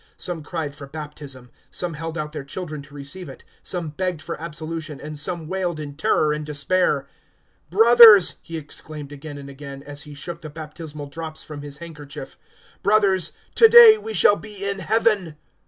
Some cried for baptism, some held out their children to receive it, some begged for absolution, and some wailed in terror and despair. "Brothers," he exclaimed again and again, as he shook the baptismal drops from his handkerchief, "brothers, to day we shall be in Heaven."